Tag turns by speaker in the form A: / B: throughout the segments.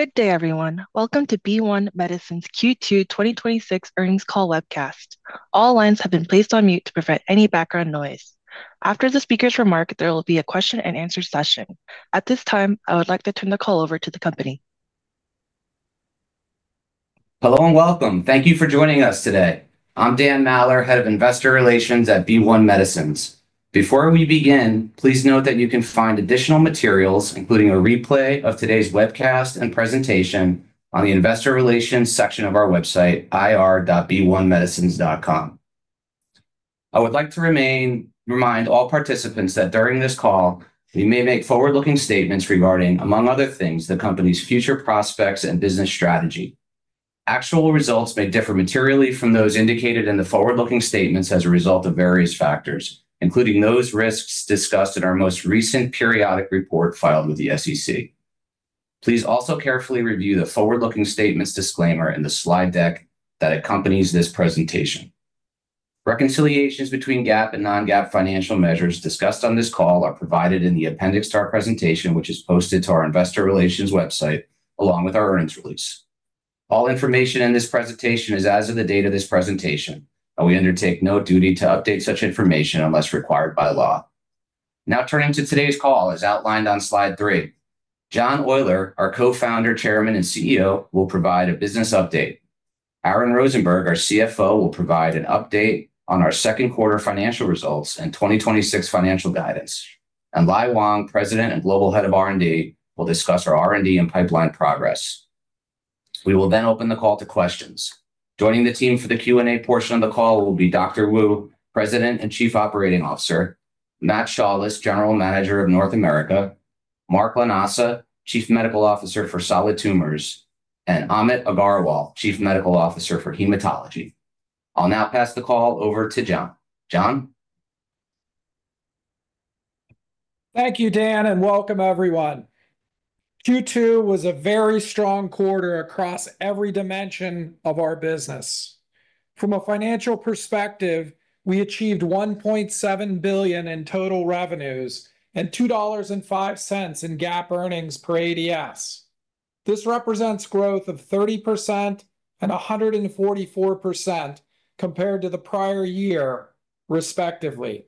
A: Good day, everyone. Welcome to BeOne Medicines Q2 2026 earnings call webcast. All lines have been placed on mute to prevent any background noise. After the speakers remark, there will be a question-and-answer session. At this time, I would like to turn the call over to the company.
B: Hello and welcome. Thank you for joining us today. I'm Dan Maller, Head of Investor Relations at BeOne Medicines. Before we begin, please note that you can find additional materials, including a replay of today's webcast and presentation, on the investor relations section of our website, ir.beonemedicines.com. I would like to remind all participants that during this call, we may make forward-looking statements regarding, among other things, the company's future prospects and business strategy. Actual results may differ materially from those indicated in the forward-looking statements as a result of various factors, including those risks discussed in our most recent periodic report filed with the SEC. Please also carefully review the forward-looking statements disclaimer in the slide deck that accompanies this presentation. Reconciliations between GAAP and non-GAAP financial measures discussed on this call are provided in the appendix to our presentation, which is posted to our investor relations website, along with our earnings release. All information in this presentation is as of the date of this presentation, and we undertake no duty to update such information unless required by law. Now turning to today's call as outlined on slide three. John Oyler, our Co-Founder, Chairman, and CEO, will provide a business update. Aaron Rosenberg, our CFO, will provide an update on our second quarter financial results and 2026 financial guidance. Lai Wang, President and Global Head of R&D, will discuss our R&D and pipeline progress. We will open the call to questions. Joining the team for the Q&A portion of the call will be Dr. Wu, President and Chief Operating Officer, Matt Shaulis, General Manager of North America, Mark Lanasa, Chief Medical Officer for Solid Tumors, Amit Agarwal, Chief Medical Officer for Hematology. I'll now pass the call over to John. John?
C: Thank you, Dan, and welcome everyone. Q2 was a very strong quarter across every dimension of our business. From a financial perspective, we achieved $1.7 billion in total revenues and $2.05 in GAAP earnings per ADS. This represents growth of 30% and 144% compared to the prior year, respectively.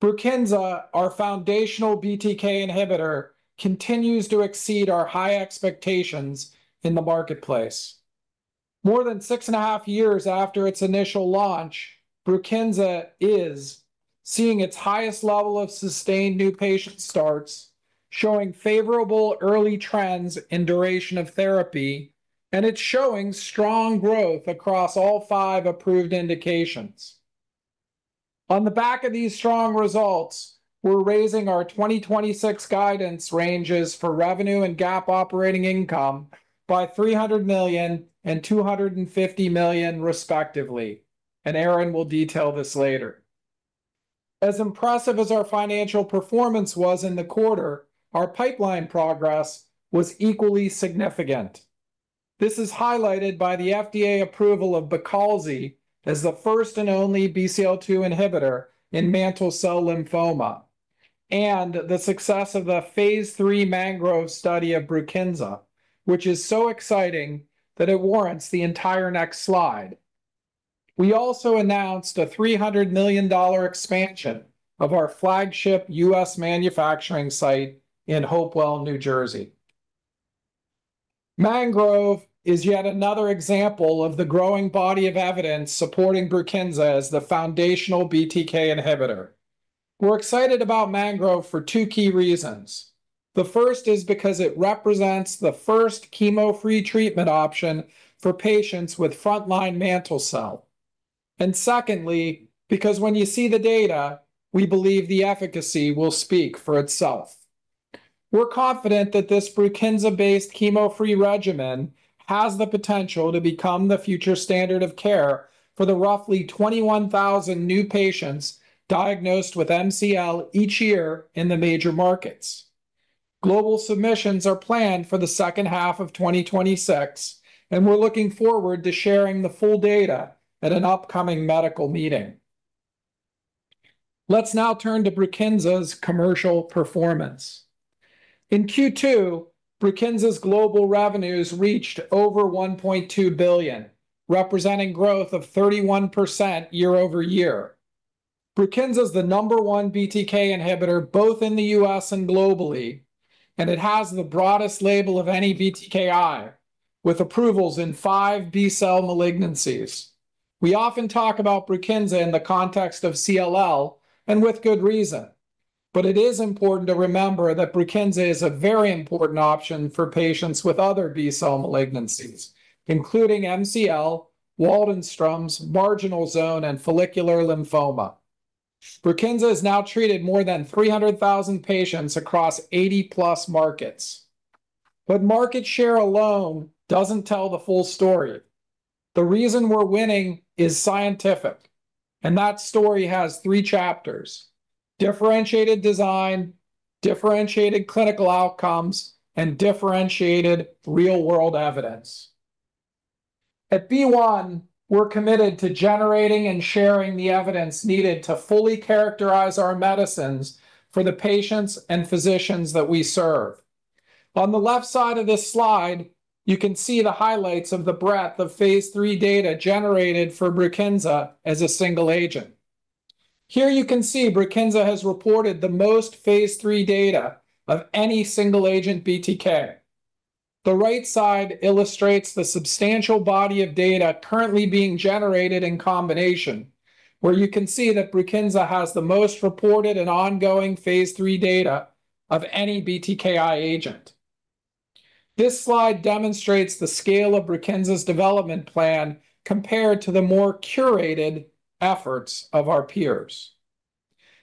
C: BRUKINSA, our foundational BTK inhibitor, continues to exceed our high expectations in the marketplace. More than six and a half years after its initial launch, BRUKINSA is seeing its highest level of sustained new patient starts, showing favorable early trends in duration of therapy, and it is showing strong growth across all five approved indications. On the back of these strong results, we are raising our 2026 guidance ranges for revenue and GAAP operating income by $300 million and $250 million respectively. Aaron will detail this later. As impressive as our financial performance was in the quarter, our pipeline progress was equally significant. This is highlighted by the FDA approval of Beqalzi as the first and only BCL-2 inhibitor in mantle cell lymphoma, the success of the phase III MANGROVE study of BRUKINSA, which is so exciting that it warrants the entire next slide. We also announced a $300 million expansion of our flagship U.S. manufacturing site in Hopewell, New Jersey. MANGROVE is yet another example of the growing body of evidence supporting BRUKINSA as the foundational BTK inhibitor. We are excited about MANGROVE for two key reasons. The first is because it represents the first chemo-free treatment option for patients with frontline mantle cell. Secondly, because when you see the data, we belive the efficacy will speak for itself. We are confident that this BRUKINSA-based chemo-free regimen has the potential to become the future standard of care for the roughly 21,000 new patients diagnosed with MCL each year in the major markets. Global submissions are planned for the second half of 2026. We are looking forward to sharing the full data at an upcoming medical meeting. Let's now turn to BRUKINSA's commercial performance. In Q2, BRUKINSA's global revenues reached over $1.2 billion, representing growth of 31% year-over-year. BRUKINSA is the number one BTK inhibitor, both in the U.S. and globally. It has the broadest label of any BTKI, with approvals in five B-cell malignancies. We often talk about BRUKINSA in the context of CLL, and with good reason but it is important to remember that BRUKINSA is a very important option for patients with other B-cell malignancies, including MCL, Waldenstrom's, marginal zone, and follicular lymphoma. BRUKINSA has now treated more than 300,000 patients across 80+ markets. Market share alone doesn't tell the full story. The reason we are winning is scientific and that story has three chapters. Differentiated design, differentiated clinical outcomes, differentiated real-world evidence. At BeOne, we are committed to generating and sharing the evidence needed to fully characterize our medicines for the patients and physicians that we serve. On the left side of this slide, you can see the highlights of the breadth of phase III data generated for BRUKINSA as a single agent. Here you can see BRUKINSA has reported the most phase III data of any single agent BTK. The right side illustrates the substantial body of data currently being generated in combination, where you can see that BRUKINSA has the most reported and ongoing phase III data of any BTKI agent. This slide demonstrates the scale of BRUKINSA's development plan compared to the more curated efforts of our peers.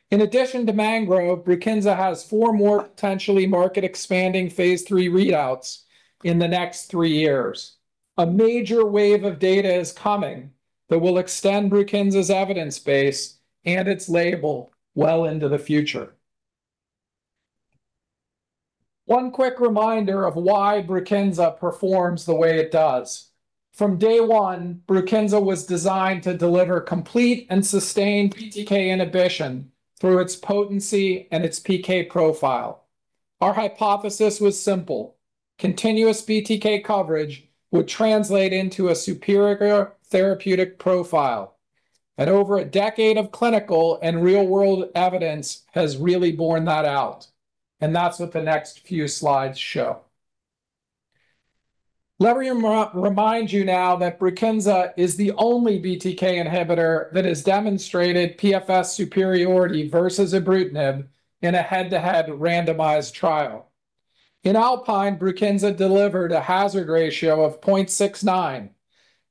C: In addition to MANGROVE, BRUKINSA has four more potentially market-expanding phase III readouts in the next three years. A major wave of data is coming that will extend BRUKINSA's evidence base and its label well into the future. One quick reminder of why BRUKINSA performs the way it does. From day one, BRUKINSA was designed to deliver complete and sustained BTK inhibition through its potency and its PK profile. Our hypothesis was simple. Continuous BTK coverage would translate into a superior therapeutic profile, and over a decade of clinical and real-world evidence has really borne that out, and that's what the next few slides show. Let me remind you now that BRUKINSA is the only BTK inhibitor that has demonstrated PFS superiority versus ibrutinib in a head-to-head randomized trial. In ALPINE, BRUKINSA delivered a hazard ratio of 0.69,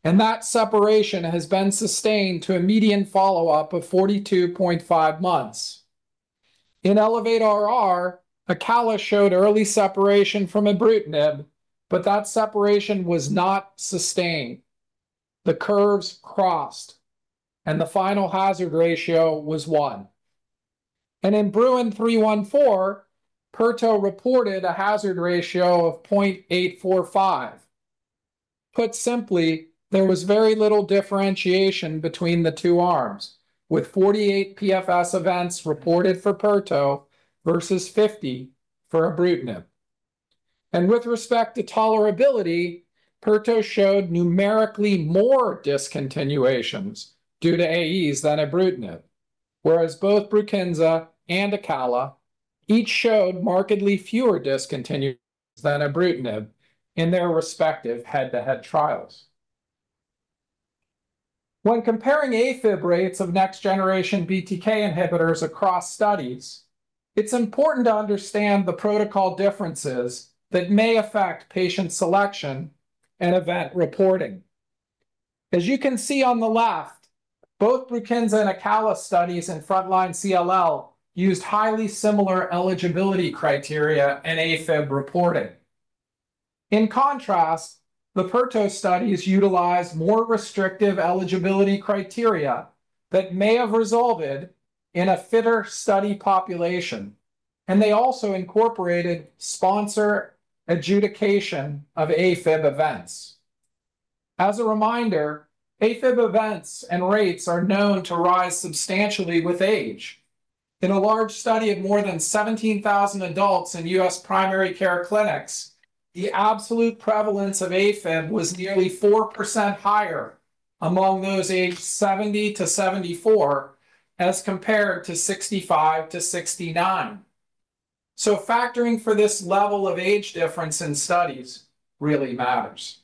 C: that separation has been sustained to a median follow-up of 42.5 months. In ELEVATE-RR, Acala showed early separation from ibrutinib, that separation was not sustained. The curves crossed, the final hazard ratio was one. In BRUIN 3.1.4, pirto reported a hazard ratio of 0.845. Put simply, there was very little differentiation between the two arms, with 48 PFS events reported for pirto versus 50 for ibrutinib. With respect to tolerability, pirto showed numerically more discontinuations due to AEs than ibrutinib, whereas both BRUKINSA and Acala each showed markedly fewer discontinuations than ibrutinib in their respective head-to-head trials. When comparing AFib rates of next generation BTK inhibitors across studies, it's important to understand the protocol differences that may affect patient selection and event reporting. As you can see on the left, both BRUKINSA and Acala studies in frontline CLL used highly similar eligibility criteria and AFib reporting. In contrast, the pirto studies utilized more restrictive eligibility criteria that may have resulted in a fitter study population, they also incorporated sponsor adjudication of AFib events. As a reminder, AFib events and rates are known to rise substantially with age. In a large study of more than 17,000 adults in U.S. primary care clinics, the absolute prevalence of AFib was nearly 4% higher among those aged 70-74 as compared to 65-69 so factoring for this level of age difference in studies really matters.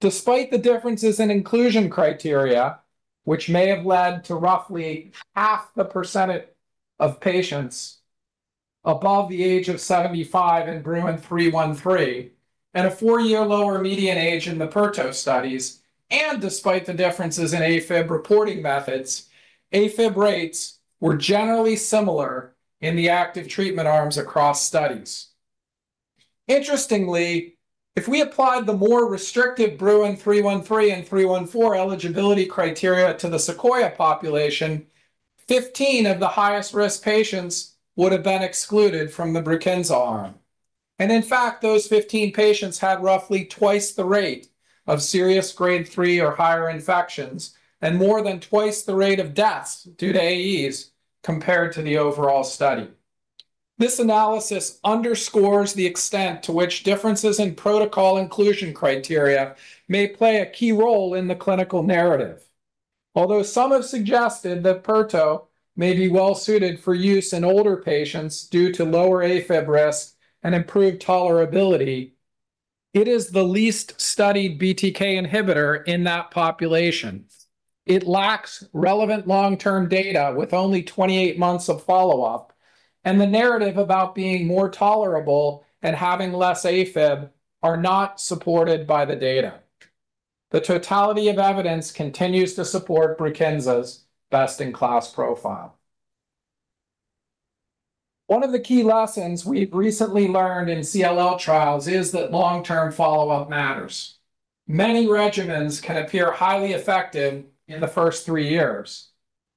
C: Despite the differences in inclusion criteria, which may have led to roughly half the percentage of patients above the age of 75 in BRUIN 3.1.3, a four-year lower median age in the pirto studies, despite the differences in AFib reporting methods, AFib rates were generally similar in the active treatment arms across studies. Interestingly, if we appLaid the more restrictive BRUIN 3.1.3 and 3.1.4 eligibility criteria to the SEQUOIA population, 15 of the highest risk patients would have been excluded from the BRUKINSA arm. In fact, those 15 patients had roughly twice the rate of serious grade 3 or higher infections and more than twice the rate of deaths due to AEs compared to the overall study. This analysis underscores the extent to which differences in protocol inclusion criteria may play a key role in the clinical narrative. Although some have suggested that pirto may be well-suited for use in older patients due to lower AFib risk and improved tolerability, it is the least studied BTK inhibitor in that population. It lacks relevant long-term data with only 28 months of follow-up, and the narrative about being more tolerable and having less AFib are not supported by the data. The totality of evidence continues to support BRUKINSA's best-in-class profile. One of the key lessons we've recently learned in CLL trials is that long-term follow-up matters. Many regimens can appear highly effective in the first three years,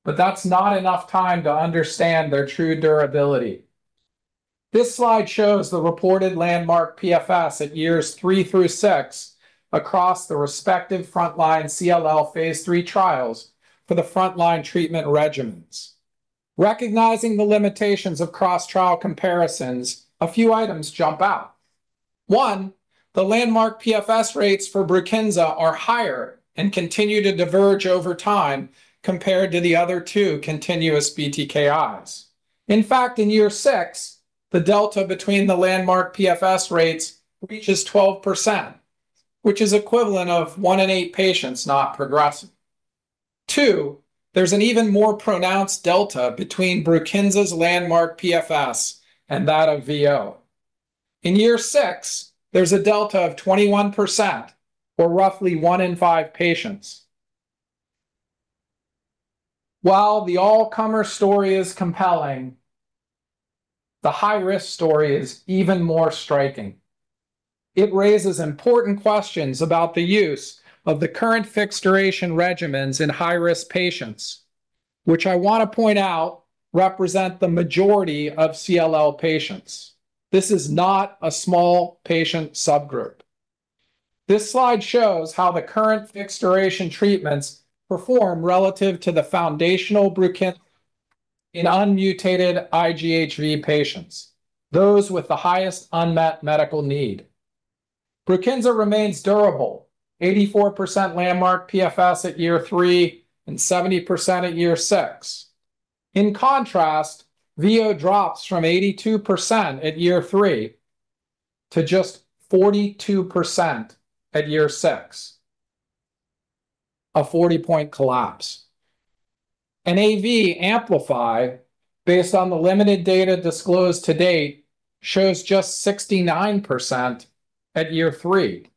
C: but that's not enough time to understand their true durability. This slide shows the reported landmark PFS at years three through six across the respective frontline CLL phase III trials for the frontline treatment regimens. Recognizing the limitations of cross-trial comparisons, a few items jump out. One, the landmark PFS rates for BRUKINSA are higher and continue to diverge over time compared to the other two continuous BTKIs. In fact, in year six, the delta between the landmark PFS rates reaches 12%, which is equivalent of one in eight patients not progressing. Two, there's an even more pronounced delta between BRUKINSA's landmark PFS and that of VEN-O. In year six, there's a delta of 21%, or roughly one in five patients. While the all-comer story is compelling, the high-risk story is even more striking. It raises important questions about the use of the current fixed duration regimens in high-risk patients, which I want to point out represent the majority of CLL patients. This is not a small patient subgroup. This slide shows how the current fixed duration treatments perform relative to the foundational BRUKINSA in unmutated IGHV patients, those with the highest unmet medical need. BRUKINSA remains durable, 84% landmark PFS at year three and 70% at year six. In contrast, VEN-O drops from 82% at year three to just 42% at year six, a 40-point collapse. AV Amplify, based on the limited data disclosed to date, shows just 69% at year three,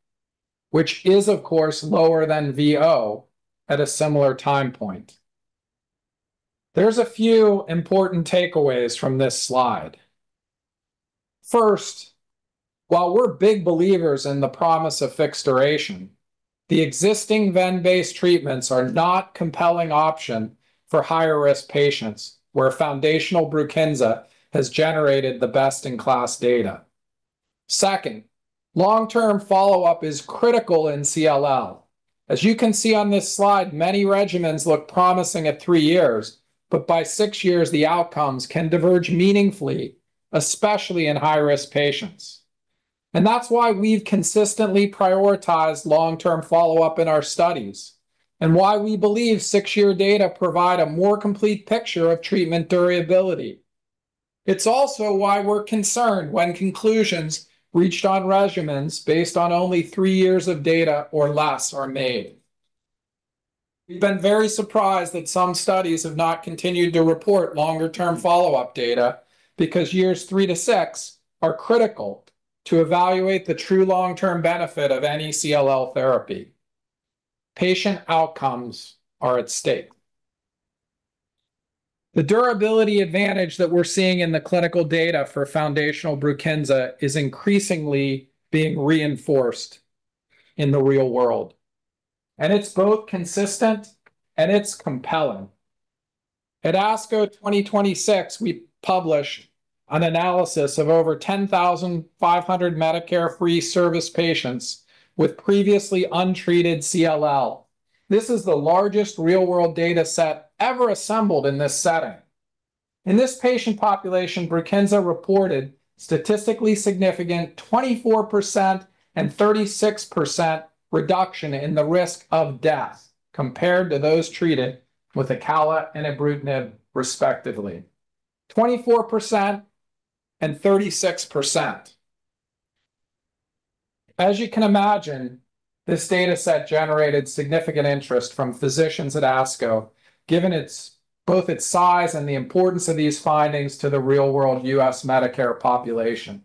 C: which is of course lower than VEN-O at a similar time point. There's a few important takeaways from this slide. First, while we're big belivers in the promise of fixed duration, the existing VEN-based treatments are not compelling option for higher risk patients, where foundational BRUKINSA has generated the best-in-class data. Second, long-term follow-up is critical in CLL. As you can see on this slide, many regimens look promising at three years, but by six years, the outcomes can diverge meaningfully, especially in high-risk patients. That's why we've consistently prioritized long-term follow-up in our studies, and that's why we belive six-year data provide a more complete picture of treatment durability. It's also why we're concerned when conclusions reached on regimens based on only three years of data or less are made. We've been very surprised that some studies have not continued to report longer-term follow-up data, because years three to six are critical to evaluate the true long-term benefit of any CLL therapy. Patient outcomes are at stake. The durability advantage that we're seeing in the clinical data for foundational BRUKINSA is increasingly being reinforced in the real world. It's both consistent and it's compelling. At ASCO 2026, we published an analysis of over 10,500 Medicare free service patients with previously untreated CLL. This is the largest real-world data set ever assembled in this setting. In this patient population, BRUKINSA reported statistically significant 24% and 36% reduction in the risk of death compared to those treated with acala and ibrutinib respectively, 24% and 36%. As you can imagine, this data set generated significant interest from physicians at ASCO, given both its size and the importance of these findings to the real-world U.S. Medicare population.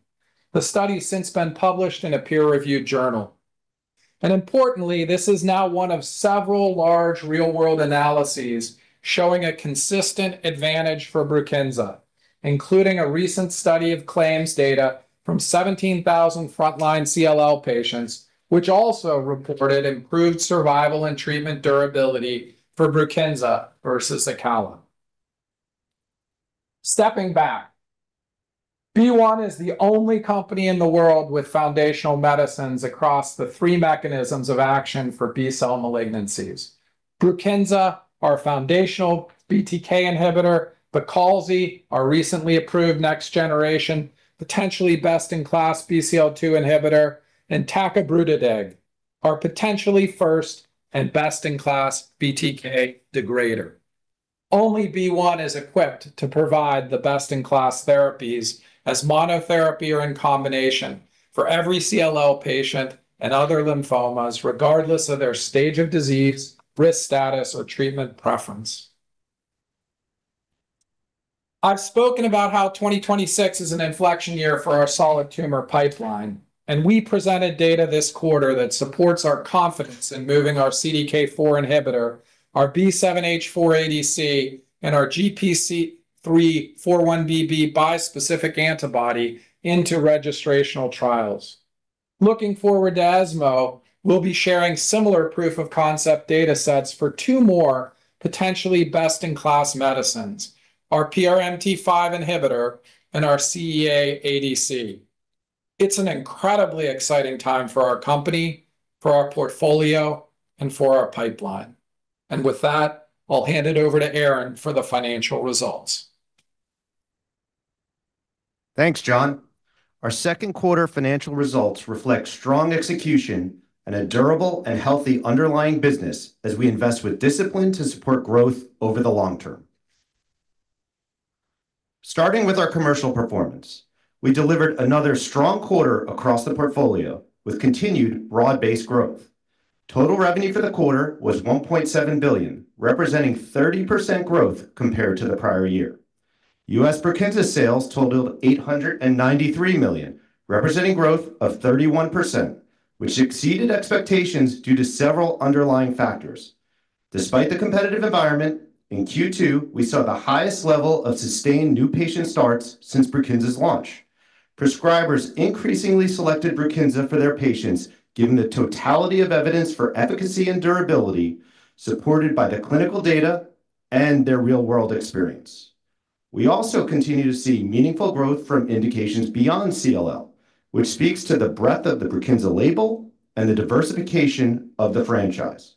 C: The study has since been published in a peer-reviewed journal. Importantly, this is now one of several large real-world analyses showing a consistent advantage for BRUKINSA, including a recent study of claims data from 17,000 frontline CLL patients, which also reported improved survival and treatment durability for BRUKINSA versus acala. Stepping back, BeOne is the only company in the world with foundational medicines across the three mechanisms of action for B-cell malignancies. BRUKINSA, our foundational BTK inhibitor, Beqalzi, our recently approved next generation, potentially best-in-class BCL-2 inhibitor, and tacabrutideg, our potentially first and best-in-class BTK degrader. Only BeOne is equipped to provide the best-in-class therapies as monotherapy or in combination for every CLL patient and other lymphomas, regardless of their stage of disease, risk status or treatment preference. I've spoken about how 2026 is an inflection year for our solid tumor pipeline, and we presented data this quarter that supports our confidence in moving our CDK4 inhibitor, our B7-H4 ADC, and our GPC3-41BB bispecific antibody into registrational trials. Looking forward, ESMO will be sharing similar proof of concept data sets for two more potentially best-in-class medicines, our PRMT5 inhibitor and our CEA ADC. It's an incredibly exciting time for our company, for our portfolio and for our pipeline. With that, I'll hand it over to Aaron for the financial results.
D: Thanks, John. Our second quarter financial results reflect strong execution and a durable and healthy underlying business as we invest with discipline to support growth over the long term. Starting with our commercial performance, we delivered another strong quarter across the portfolio with continued broad-based growth. Total revenue for the quarter was $1.7 billion, representing 30% growth compared to the prior year. U.S. BRUKINSA sales totaled $893 million, representing growth of 31%, which exceeded expectations due to several underlying factors. Despite the competitive environment, in Q2, we saw the highest level of sustained new patient starts since BRUKINSA's launch. Prescribers increasingly selected BRUKINSA for their patients, given the totality of evidence for efficacy and durability, supported by the clinical data and their real-world experience. We also continue to see meaningful growth from indications beyond CLL, which speaks to the breadth of the BRUKINSA label and the diversification of the franchise.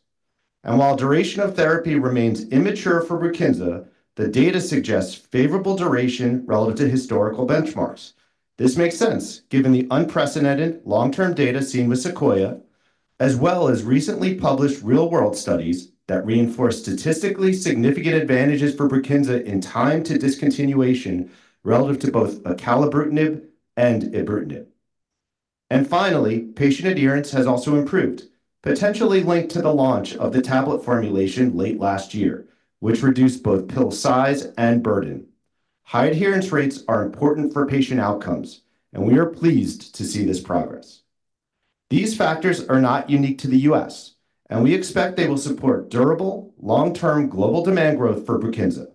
D: While duration of therapy remains immature for BRUKINSA, the data suggests favorable duration relative to historical benchmarks. This makes sense given the unprecedented long-term data seen with SEQUOIA, as well as recently published real-world studies that reinforce statistically significant advantages for BRUKINSA in time to discontinuation relative to both acalabrutinib and ibrutinib. Finally, patient adherence has also improved, potentially linked to the launch of the tablet formulation late last year, which reduced both pill size and burden. High adherence rates are important for patient outcomes, and we are pleased to see this progress. These factors are not unique to the U.S., and we expect they will support durable long-term global demand growth for BRUKINSA.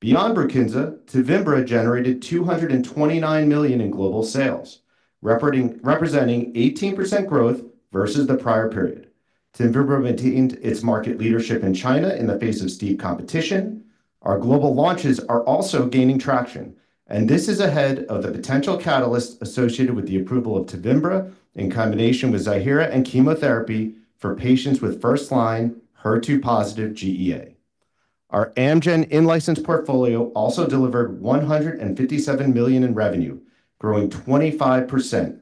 D: Beyond BRUKINSA, TEVIMBRA generated $229 million in global sales, representing 18% growth versus the prior period. TEVIMBRA maintained its market leadership in China in the face of steep competition. Our global launches are also gaining traction. This is ahead of the potential catalyst associated with the approval of TEVIMBRA in combination with ZIIHERA and chemotherapy for patients with first-line HER2-positive GEA. Our Amgen in-licensed portfolio also delivered 157 million in revenue, growing 25%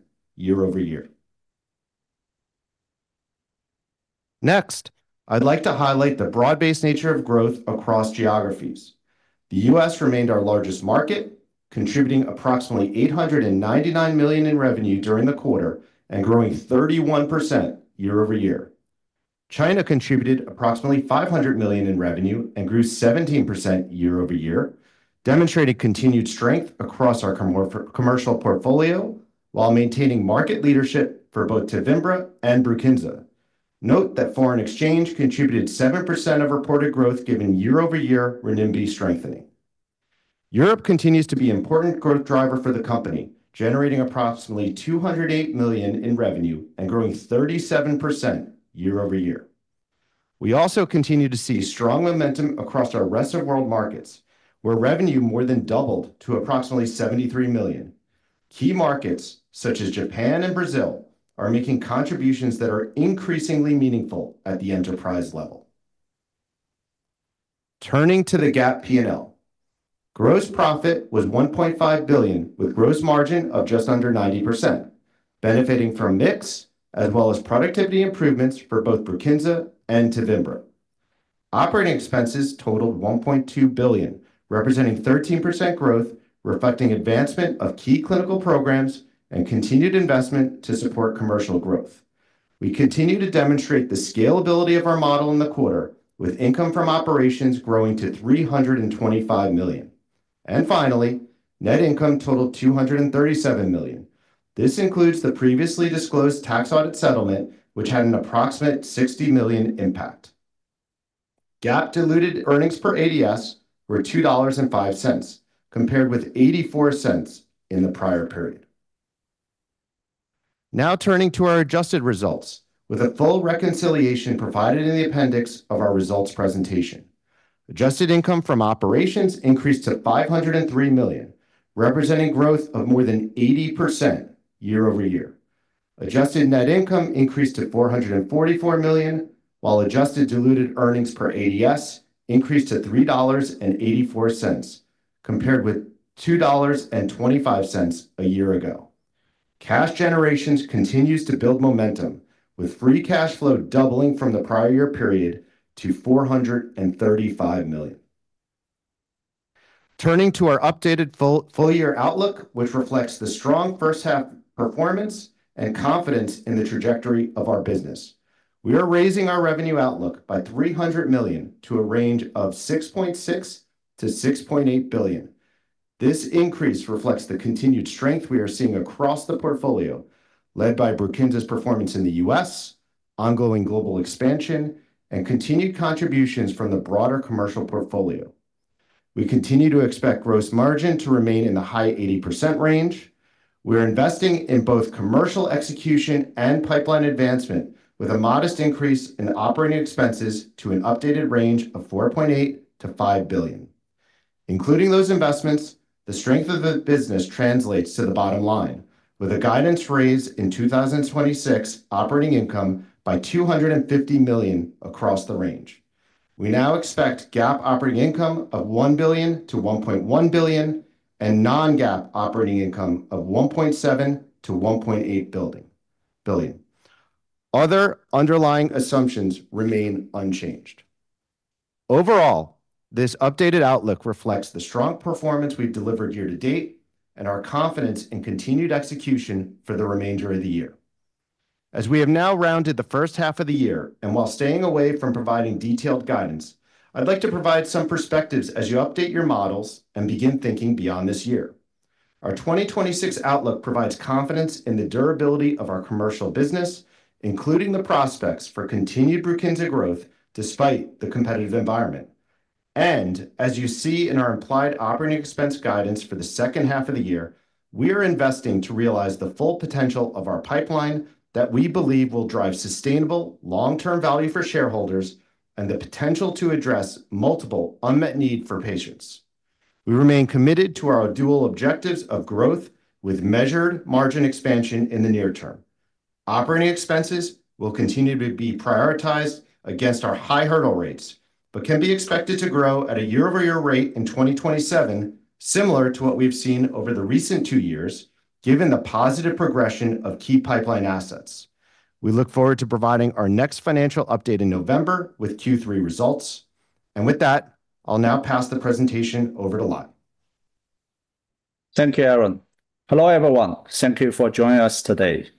D: year-over-year. I'd like to highlight the broad-based nature of growth across geographies. The U.S. remained our largest market, contributing approximately $899 million in revenue during the quarter and growing 31% year-over-year. China contributed approximately 500 million in revenue and grew 17% year-over-year, demonstrating continued strength across our commercial portfolio while maintaining market leadership for both TEVIMBRA and BRUKINSA. Note that foreign exchange contributed 7% of reported growth given year-over-year renminbi strengthening. Europe continues to be important growth driver for the company, generating approximately 208 million in revenue and growing 37% year-over-year. We also continue to see strong momentum across our rest of world markets, where revenue more than doubled to approximately 73 million. Key markets such as Japan and Brazil are making contributions that are increasingly meaningful at the enterprise level. Turning to the GAAP P&L. Gross profit was 1.5 billion with gross margin of just under 90%, benefiting from mix as well as productivity improvements for both BRUKINSA and TEVIMBRA. Operating expenses totaled 1.2 billion, representing 13% growth, reflecting advancement of key clinical programs and continued investment to support commercial growth. We continue to demonstrate the scalability of our model in the quarter with income from operations growing to 325 million. Finally, net income totaled 237 million. This includes the previously disclosed tax audit settlement, which had an approximate 60 million impact. GAAP diluted earnings per ADS were $2.05 compared with $0.84 in the prior period. Turning to our adjusted results with a full reconciliation provided in the appendix of our results presentation. Adjusted income from operations increased to 503 million, representing growth of more than 80% year-over-year. Adjusted net income increased to 444 million while adjusted diluted earnings per ADS increased to $3.84 compared with $2.25 a year ago. Cash generation continues to build momentum with free cash flow doubling from the prior year period to 435 million. Turning to our updated full-year outlook, which reflects the strong first half performance and confidence in the trajectory of our business. We are raising our revenue outlook by 300 million to a range of 6.6 billion-6.8 billion. This increase reflects the continued strength we are seeing across the portfolio led by BRUKINSA's performance in the U.S., ongoing global expansion and continued contributions from the broader commercial portfolio. We continue to expect gross margin to remain in the high 80% range. We're investing in both commercial execution and pipeline advancement with a modest increase in operating expenses to an updated range of 4.8 billion-5 billion. Including those investments, the strength of the business translates to the bottom line, with a guidance raise in 2026 operating income by 250 million across the range. We now expect GAAP operating income of 1 billion-1.1 billion and non-GAAP operating income of 1.7 billion-1.8 billion. Other underlying assumptions remain unchanged. Overall, this updated outlook reflects the strong performance we've delivered year to date and our confidence in continued execution for the remainder of the year. As we have now rounded the first half of the year, and while staying away from providing detailed guidance, I'd like to provide some perspectives as you update your models and begin thinking beyond this year. Our 2026 outlook provides confidence in the durability of our commercial business, including the prospects for continued BRUKINSA growth despite the competitive environment. As you see in our impLaid operating expense guidance for the second half of the year, we are investing to realize the full potential of our pipeline that we belive will drive sustainable long-term value for shareholders and the potential to address multiple unmet need for patients. We remain committed to our dual objectives of growth with measured margin expansion in the near term. Operating expenses will continue to be prioritized against our high hurdle rates, but can be expected to grow at a year-over-year rate in 2027, similar to what we've seen over the recent two years, given the positive progression of key pipeline assets. We look forward to providing our next financial update in November with Q3 results. With that, I'll now pass the presentation over to Lai.
E: Thank you, Aaron. Hello, everyone. Thank you for joining us today.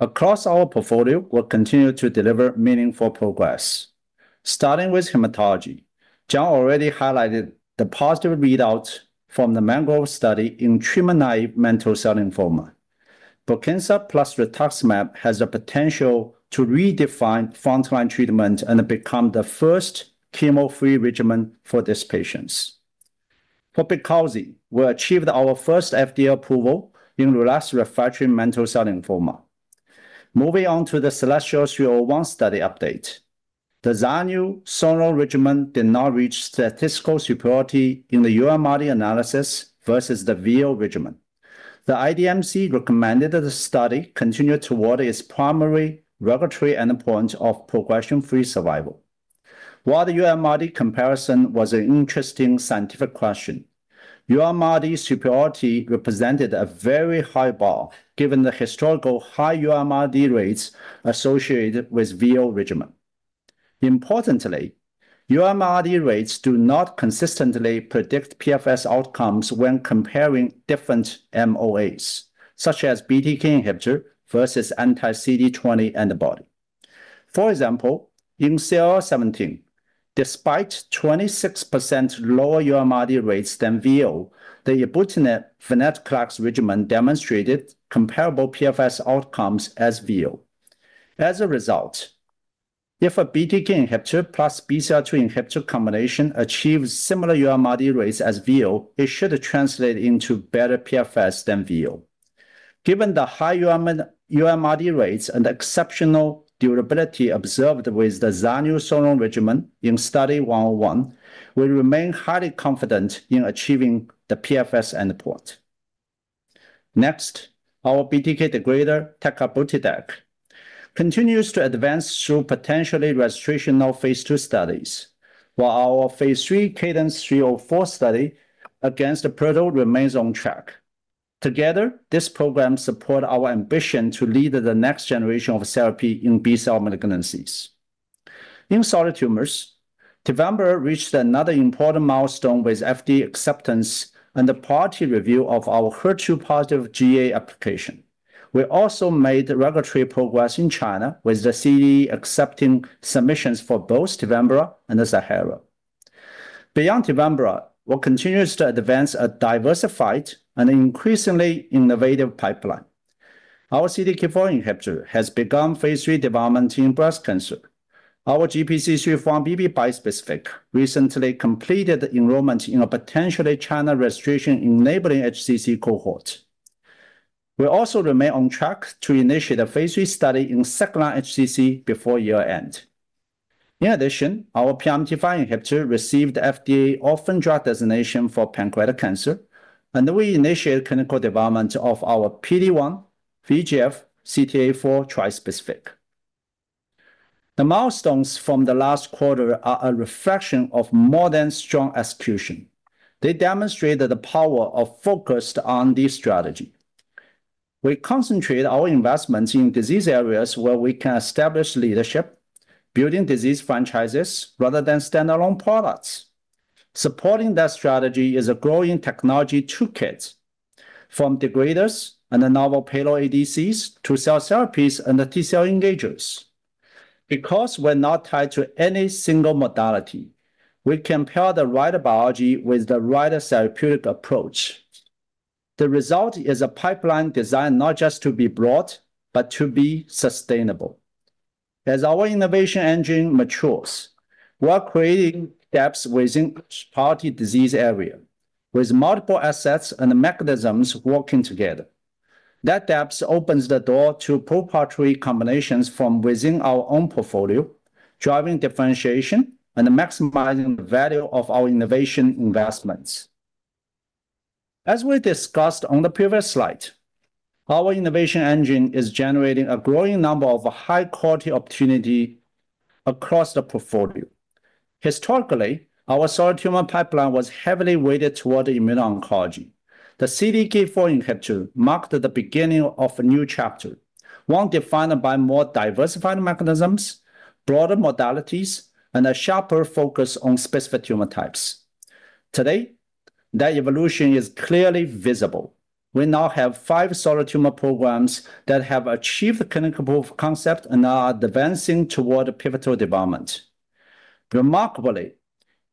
E: Across our portfolio, we'll continue to deliver meaningful progress. Starting with Hematology, John already highlighted the positive readout from the MANGROVE study in treatment-naïve mantle cell lymphoma. BRUKINSA plus rituximab has the potential to redefine frontline treatment and become the first chemo-free regimen for these patients. For Beqalzi, we achieved our first FDA approval in relapsed refractory mantle cell lymphoma. Moving on to the CELESTIMO 301 study update. The zanu-sonro regimen did not reach statistical superiority in the uMRD analysis versus the VO regimen. The IDMC recommended that the study continue toward its primary regulatory endpoint of progression-free survival. While the uMRD comparison was an interesting scientific question, uMRD superiority represented a very high bar given the historical high uMRD rates associated with VO regimen. Importantly, uMRD rates do not consistently predict PFS outcomes when comparing different MOAs, such as BTK inhibitor versus anti-CD20 antibody. For example, in CLL17, despite 26% lower uMRD rates than VO, the ibrutinib venetoclax regimen demonstrated comparable PFS outcomes as VO. As a result, if a BTK inhibitor plus BCL-2 inhibitor combination achieves similar uMRD rates as VO, it should translate into better PFS than VO. Given the high uMRD rates and exceptional durability observed with the zanu-sonro regimen in study 101, we remain highly confident in achieving the PFS endpoint. Next, our BTK degrader, tacabrutideg, continues to advance through potentially registrational phase II studies. While our phase III CaDAnCe-304 study against the proto remains on track. Together, these programs support our ambition to lead the next generation of therapy in B-cell malignancies. In Solid Tumors, TEVIMBRA reached another important milestone with FDA acceptance and the priority review of our HER2-positive GEA application. We also made regulatory progress in China with the CDE accepting submissions for both TEVIMBRA and ZIIHERA. Beyond TEVIMBRA, we continue to advance a diversified and increasingly innovative pipeline. Our CDK4 inhibitor has begun phase III development in breast cancer. Our GPC3 4-1BB bispecific recently completed enrollment in a potentially China registration-enabling HCC cohort. We also remain on track to initiate a phase III study in second-line HCC before year-end. In addition, our PRMT5 inhibitor received FDA orphan drug designation for pancreatic cancer, and we initiated clinical development of our PD-1 VEGF CTLA-4 trispecific. The milestones from the last quarter are a reflection of more than strong execution. They demonstrate the power of focused R&D strategy. We concentrate our investments in disease areas where we can establish leadership, building disease franchises rather than standalone products. Supporting that strategy is a growing technology toolkit from degraders and novel payload ADCs to cell therapies and T-cell engagers. Because we're not tied to any single modality, we can pair the right biology with the right therapeutic approach. The result is a pipeline designed not just to be broad, but to be sustainable. As our innovation engine matures, we are creating depth within each priority disease area, with multiple assets and mechanisms working together. That depth opens the door to proprietary combinations from within our own portfolio, driving differentiation and maximizing the value of our innovation investments. As we discussed on the previous slide, our innovation engine is generating a growing number of high-quality opportunity across the portfolio. Historically, our solid tumor pipeline was heavily weighted toward immuno-oncology. The CDK4 inhibitor marked the beginning of a new chapter, one defined by more diversified mechanisms, broader modalities, and a sharper focus on specific tumor types. Today, that evolution is clearly visible. We now have five solid tumor programs that have achieved clinical proof of concept and are advancing toward pivotal development. Remarkably,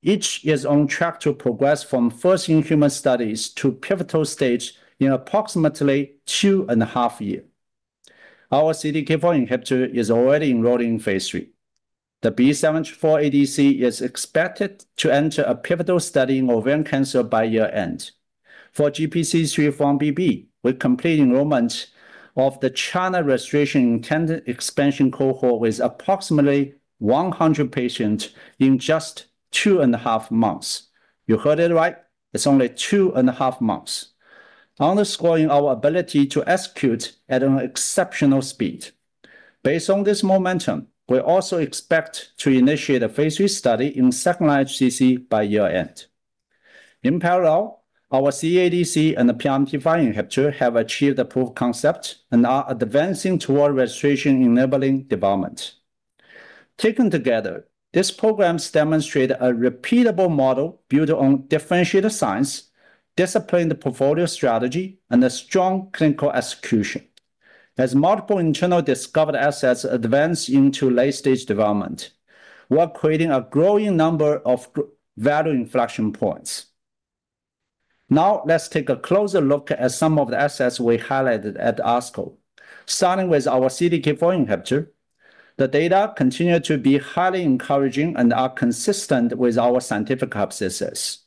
E: each is on track to progress from first in-human studies to pivotal stage in approximately two and a half years. Our CDK4 inhibitor is already enrolling in phase III. The B7-H4 ADC is expected to enter a pivotal study in ovarian cancer by year-end. For GPC3 4-1BB, we completed enrollment of the China registration intended expansion cohort with approximately 100 patients in just two and a half months. You heard it right. It's only two and a half months, underscoring our ability to execute at an exceptional speed. Based on this momentum, we also expect to initiate a phase III study in second-line HCC by year-end. In parallel, our CEA ADC and PRMT5 inhibitor have achieved proof of concept and are advancing toward registration-enabling development. Taken together, these programs demonstrate a repeatable model built on differentiated science, disciplined portfolio strategy, and strong clinical execution. As multiple internal discovered assets advance into late-stage development, we are creating a growing number of value inflection points. Now, let's take a closer look at some of the assets we highlighted at ASCO. Starting with our CDK4 inhibitor, the data continue to be highly encouraging and are consistent with our scientific hypothesis.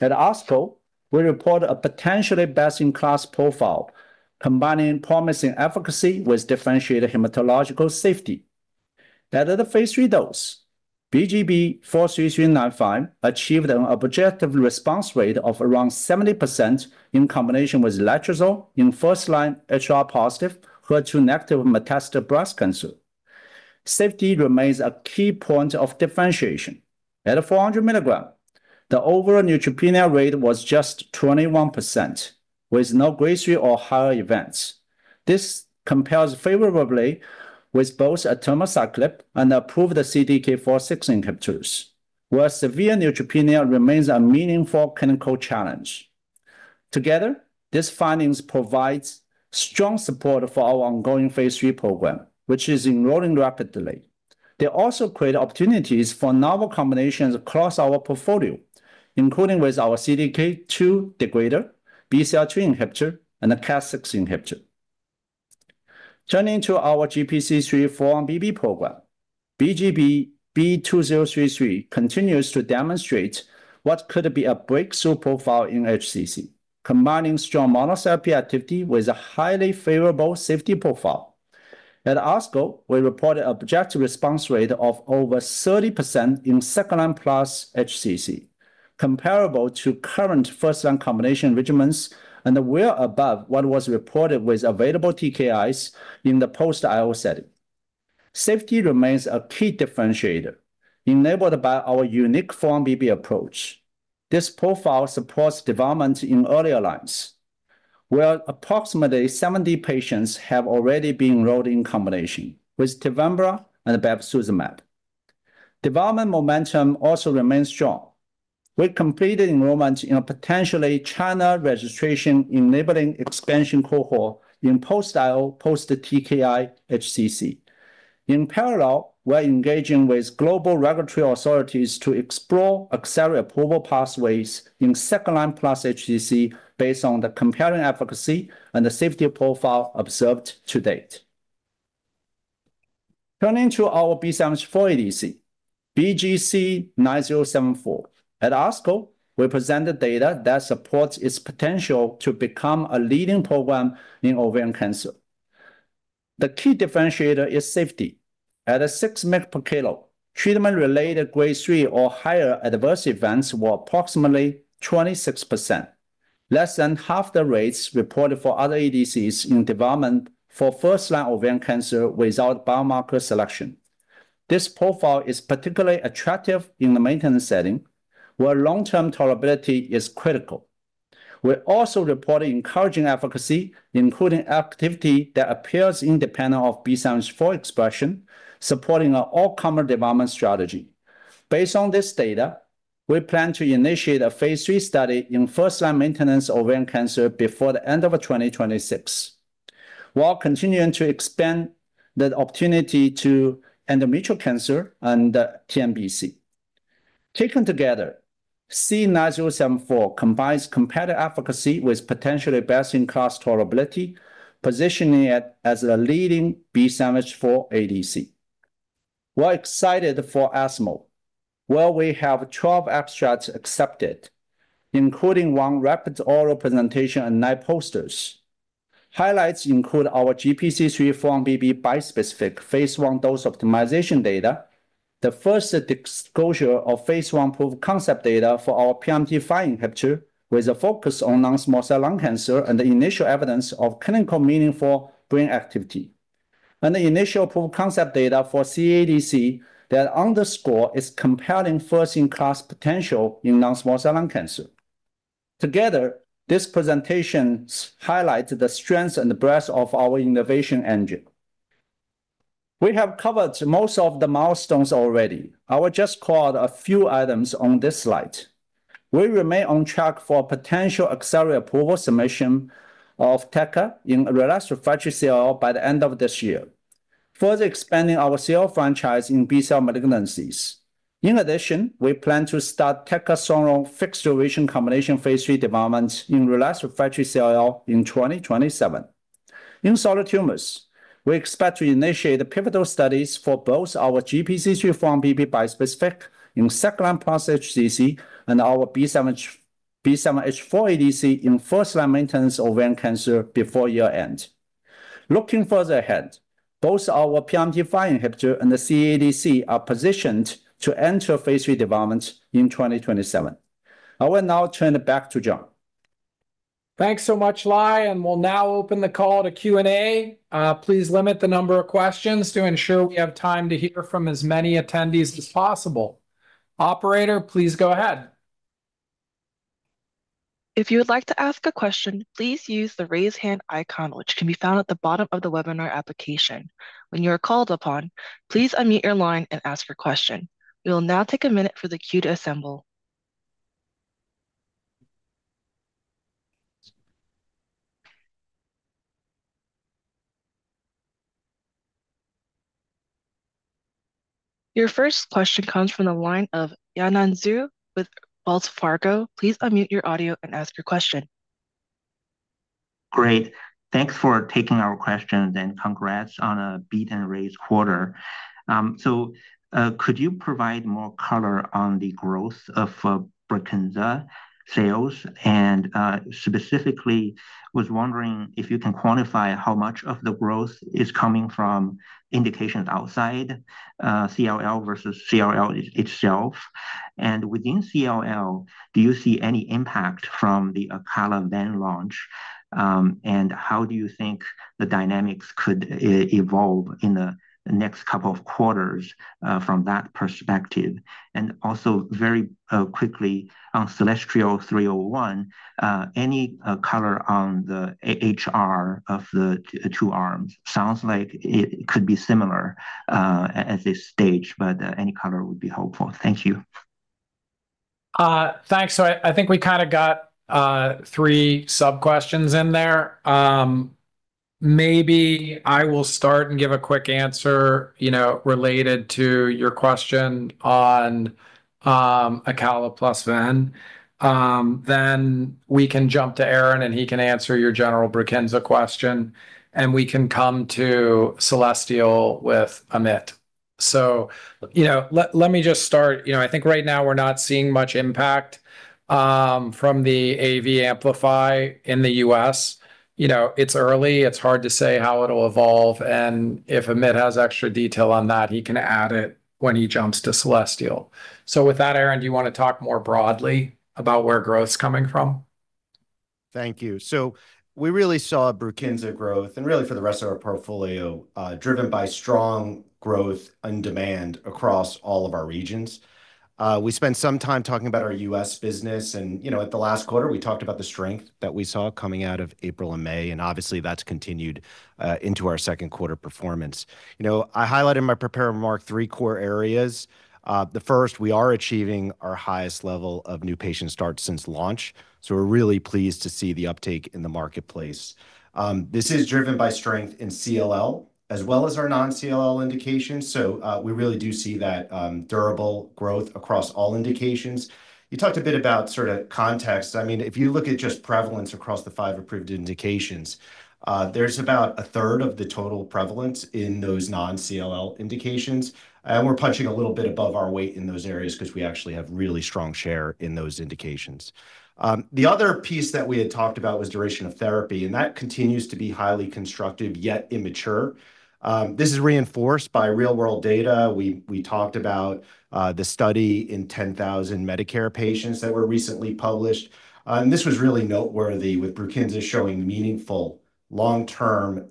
E: At ASCO, we report a potentially best-in-class profile, combining promising efficacy with differentiated hematological safety. At the phase III dose, BGB-43395 achieved an objective response rate of around 70% in combination with letrozole in first-line HR-positive, HER2 negative metastatic breast cancer. Safety remains a key point of differentiation. At 400 mg, the overall neutropenia rate was just 21%, with no grade 3 or higher events. This compares favorably with both atirmociclib and approved CDK4/6 inhibitors, where severe neutropenia remains a meaningful clinical challenge. Together, these findings provides strong support for our ongoing phase III program, which is enrolling rapidly. They also create opportunities for novel combinations across our portfolio, including with our CDK2 degrader, BCL-2 inhibitor, and the Cas6 inhibitor. Turning to our GPC3 4-1BB program, BGB-B2033 continues to demonstrate what could be a breakthrough profile in HCC, combining strong monotherapy activity with a highly favorable safety profile. At ASCO, we reported objective response rate of over 30% in second-line plus HCC, comparable to current first-line combination regimens and well above what was reported with available TKIs in the post-IO setting. Safety remains a key differentiator enabled by our unique 4-1BB approach. This profile supports development in earLair lines, where approximately 70 patients have already been enrolled in combination with TEVIMBRA and bevacizumab. Development momentum also remains strong. We completed enrollment in a potentially China registration-enabling expansion cohort in post-IO, post-TKI HCC. In parallel, we're engaging with global regulatory authorities to explore accelerated approval pathways in second-line plus HCC based on the compelling efficacy and the safety profile observed to date. Turning to our B7-H4 ADC, BGB-C9074. At ASCO, we presented data that supports its potential to become a leading program in ovarian cancer. The key differentiator is safety. At a 6 mg/kg, treatment-related grade 3 or higher adverse events were approximately 26%, less than half the rates reported for other ADCs in development for first-line ovarian cancer without biomarker selection. This profile is particularly attractive in the maintenance setting, where long-term tolerability is critical. We also reported encouraging efficacy, including activity that appears independent of B7-H4 expression, supporting an all-comer development strategy. Based on this data, we plan to initiate a phase III study in first-line maintenance ovarian cancer before the end of 2026, while continuing to expand that opportunity to endometrial cancer and TNBC. Taken together, C9074 combines competitive efficacy with potentially best-in-class tolerability, positioning it as a leading B7-H4 ADC. We're excited for ESMO, where we have 12 abstracts accepted, including one rapid oral presentation and nine posters. Highlights include our GPC3 4-1BB bispecific phase I dose optimization data, the first disclosure of phase I proof of concept data for our PRMT5 inhibitor, with a focus on non-small cell lung cancer and the initial evidence of clinical meaningful brain activity, and the initial proof of concept data for CEA ADC that underscores its compelling first-in-class potential in non-small cell lung cancer. Together, these presentations highlight the strengths and breadth of our innovation engine. We have covered most of the milestones already. I will just call out a few items on this slide. We remain on track for potential accelerated approval submission of taca in relapsed/refractory CLL by the end of this year, further expanding our CLL franchise in B-cell malignancies. In addition, we plan to start taca-sonro fixed generation combination phase III development in relapsed/refractory CLL in 2027. In Solid Tumors, we expect to initiate pivotal studies for both our GPC3 4-1BB bispecific in second-line plus HCC and our B7-H4 ADC in first-line maintenance ovarian cancer before year-end. Looking further ahead, both our PRMT5 inhibitor and the CEA ADC are positioned to enter phase III development in 2027. I will now turn it back to John.
C: Thanks so much, Lai. We'll now open the call to Q&A. Please limit the number of questions to ensure we have time to hear from as many attendees as possible. Operator, please go ahead.
A: If you would like to ask a question, please use the raise hand icon, which can be found at the bottom of the webinar application. When you are called upon, please unmute your line and ask your question. We will now take a minute for the queue to assemble. Your first question comes from the line of Yanan Zhu with Wells Fargo. Please unmute your audio and ask your question.
F: Great. Thanks for taking our questions, congrats on a beat and raise quarter. Could you provide more color on the growth of BRUKINSA sales? Specifically, was wondering if you can quantify how much of the growth is coming from indications outside CLL versus CLL itself. Within CLL, do you see any impact from the acala ven launch? How do you think the dynamics could evolve in the next couple of quarters from that perspective? Also very quickly on CELESTIMO 301, any color on the HR of the two arms? Sounds like it could be similar at this stage, but any color would be helpful. Thank you.
C: Thanks. I think we got three sub-questions in there. Maybe I will start and give a quick answer related to your question on acala plus ven. We can jump to Aaron Rosenberg and he can answer your general BRUKINSA question, and we can come to CELESTIMO with Amit Agarwal. Let me just start. I think right now we're not seeing much impact from the AV Amplify in the U.S. It's early, it's hard to say how it'll evolve, and if Amit Agarwal has extra detail on that, he can add it when he jumps to CELESTIMO. With that, Aaron, do you want to talk more broadly about where growth's coming from?
D: Thank you. We really saw BRUKINSA growth and really for the rest of our portfolio, driven by strong growth and demand across all of our regions. We spent some time talking about our U.S. business, and at the last quarter, we talked about the strength that we saw coming out of April and May, and obviously that's continued into our second quarter performance. I highlighted in my prepared remarks three core areas. The first, we are achieving our highest level of new patient starts since launch, so we're really pleased to see the uptake in the marketplace. This is driven by strength in CLL as well as our non-CLL indications, so we really do see that durable growth across all indications. You talked a bit about context. If you look at just prevalence across the five approved indications, there's about 1/3 of the total prevalence in those non-CLL indications, and we're punching a little bit above our weight in those areas because we actually have really strong share in those indications. The other piece that we had talked about was duration of therapy, and that continues to be highly constructive, yet immature. This is reinforced by real-world data. We talked about the study in 10,000 Medicare patients that were recently published. This was really noteworthy with BRUKINSA showing meaningful long-term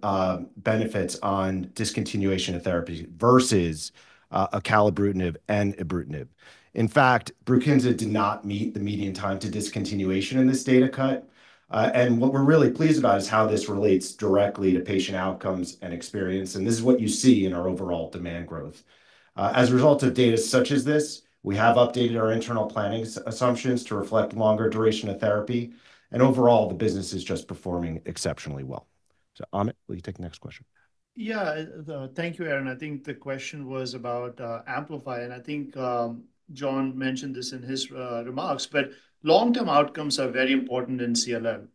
D: benefits on discontinuation of therapy versus acalabrutinib and ibrutinib. In fact, BRUKINSA did not meet the median time to discontinuation in this data cut. What we're really pleased about is how this relates directly to patient outcomes and experience, and this is what you see in our overall demand growth. As a result of data such as this, we have updated our internal planning assumptions to reflect longer duration of therapy, and overall, the business is just performing exceptionally well.
C: Amit, will you take the next question?
G: Yeah. Thank you, Aaron. I think the question was about AMPLIFY, and I think John mentioned this in his remarks, long-term outcomes are very important in CLL.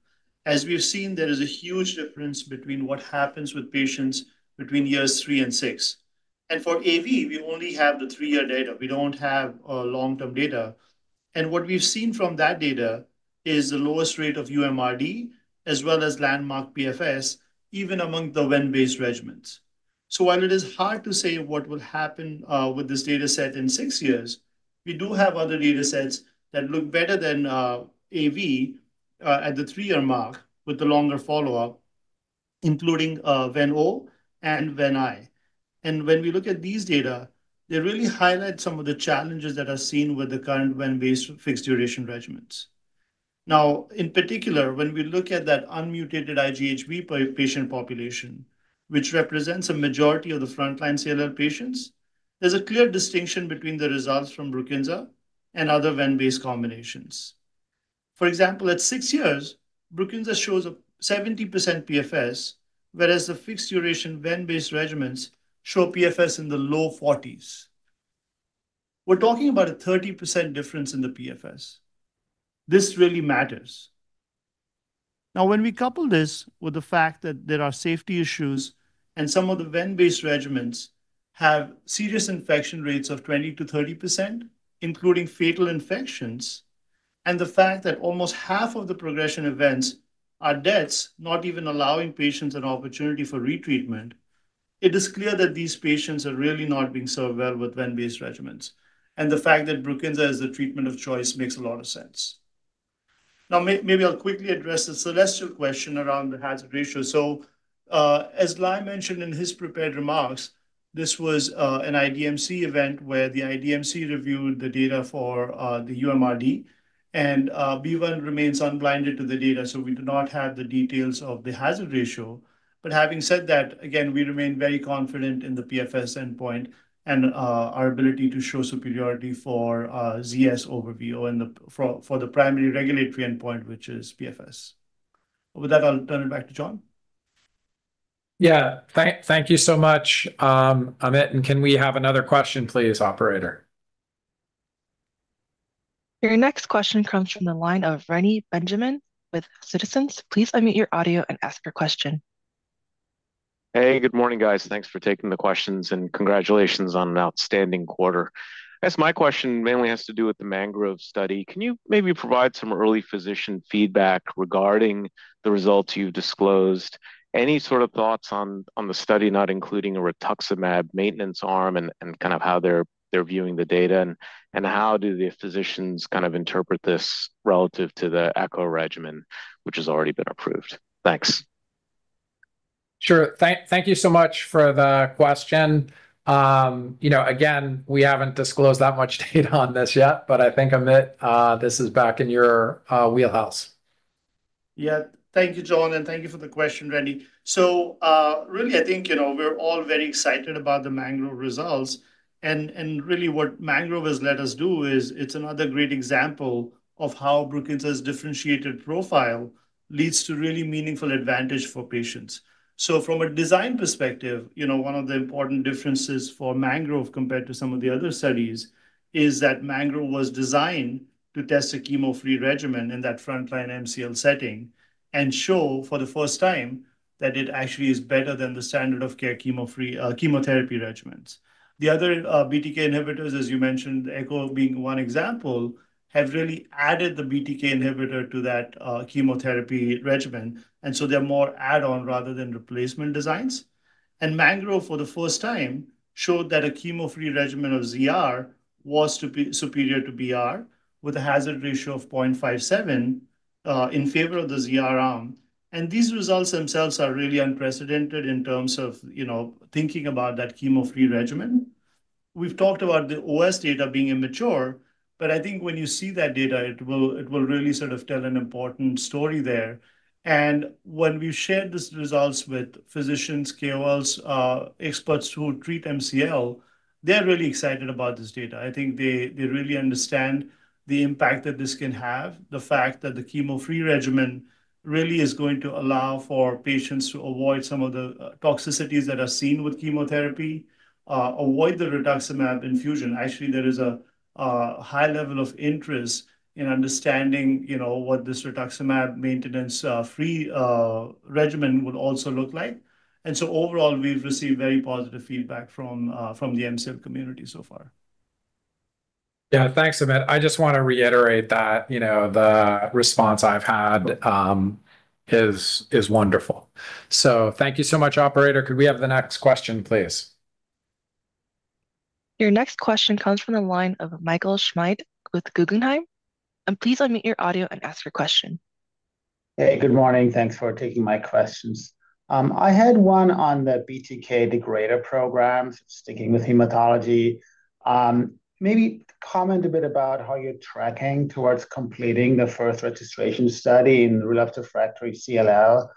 G: As we've seen, there is a huge difference between what happens with patients between years three and six. For AV, we only have the three-year data. We don't have long-term data. What we've seen from that data is the lowest rate of uMRD as well as landmark PFS, even among the VEN-based regimens. While it is hard to say what will happen with this data set in six years, we do have other data sets that look better than AV at the three-year mark with the longer follow-up, including VEN-O and VEN-I. When we look at these data, they really highlight some of the challenges that are seen with the current VEN-based fixed duration regimens. Now, In particular, when we look at that unmutated IGHV patient population, which represents a majority of the frontline CLL patients, there's a clear distinction between the results from BRUKINSA and other VEN-based combinations. For example, at six years, BRUKINSA shows a 70% PFS, whereas the fixed duration VEN-based regimens show PFS in the low 40s. We're talking about a 30% difference in the PFS. This really matters. When we couple this with the fact that there are safety issues and some of the VEN-based regimens have serious infection rates of 20%-30%, including fatal infections, and the fact that almost half of the progression events are deaths, not even allowing patients an opportunity for retreatment, it is clear that these patients are really not being served well with VEN-based regimens. The fact that BRUKINSA is the treatment of choice makes a lot of sense. Maybe I'll quickly address the CELESTIMO question around the hazard ratio. As Lai mentioned in his prepared remarks, this was an IDMC event where the IDMC reviewed the data for the uMRD, and B1 remains unblinded to the data, we do not have the details of the hazard ratio. Having said that, again, we remain very confident in the PFS endpoint and our ability to show superiority for ZS over VO and for the primary regulatory endpoint, which is PFS. With that, I'll turn it back to John.
C: Thank you so much, Amit, can we have another question, please, Operator?
A: Your next question comes from the line of Reni Benjamin with Citizens. Please unmute your audio and ask your question.
H: Hey, good morning, guys. Thanks for taking the questions and congratulations on an outstanding quarter. I guess my question mainly has to do with the MANGROVE study. Can you maybe provide some early physician feedback regarding the results you've disclosed? Any sort of thoughts on the study not including a rituximab maintenance arm, and kind of how they're viewing the data, and how do the physicians kind of interpret this relative to the ECHO regimen, which has already been approved? Thanks.
C: Sure. Thank you so much for the question. Again, we haven't disclosed that much data on this yet, but I think, Amit, this is back in your wheelhouse.
G: Thank you, John, and thank you for the question, Reni. Really I think we're all very excited about the MANGROVE results. Really what MANGROVE has let us do is it's another great example of how BRUKINSA's differentiated profile leads to really meaningful advantage for patients. From a design perspective, one of the important differences for MANGROVE compared to some of the other studies is that MANGROVE was designed to test a chemo-free regimen in that frontline MCL setting and show for the first time that it actually is better than the standard of care chemotherapy regimens. The other BTK inhibitors, as you mentioned, ECHO being one example, have really added the BTK inhibitor to that chemotherapy regimen, and they're more add-on rather than replacement designs. MANGROVE, for the first time, showed that a chemo-free regimen of ZR was superior to BR with a hazard ratio of 0.57 in favor of the ZR arm. These results themselves are really unprecedented in terms of thinking about that chemo-free regimen. We've talked about the OS data being immature, I think when you see that data, it will really sort of tell an important story there. When we've shared these results with physicians, KOLs, experts who treat MCL, they're really excited about this data. I think they really understand the impact that this can have. The fact that the chemo-free regimen really is going to allow for patients to avoid some of the toxicities that are seen with chemotherapy, avoid the rituximab infusion. Actually, there is a high level of interest in understanding what this rituximab maintenance-free regimen would also look like. Overall, we've received very positive feedback from the MCL community so far.
C: Thanks, Amit. I just want to reiterate that the response I've had is wonderful. Thank you so much. Operator, could we have the next question, please?
A: Your next question comes from the line of Michael Schmidt with Guggenheim. Please unmute your audio and ask your question.
I: Hey, good morning. Thanks for taking my questions. I had one on the BTK degrader programs, sticking with Hematology. Maybe comment a bit about how you're tracking towards completing the first registration study in relapsed/refractory CLL.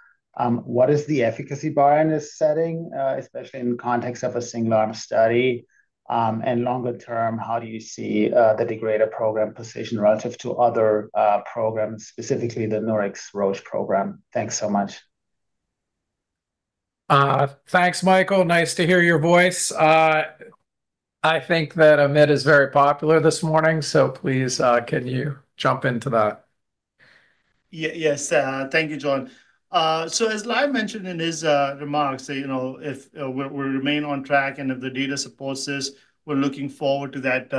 I: What is the efficacy bar in this setting, especially in the context of a single arm study? Longer term, how do you see the degrader program position relative to other programs, specifically the Nurix/Roche program? Thanks so much.
C: Thanks, Michael. Nice to hear your voice. I think that Amit is very popular this morning, please can you jump into that?
G: Yes. Thank you, John. As Lai mentioned in his remarks, if we remain on track and if the data supports this, we're looking forward to that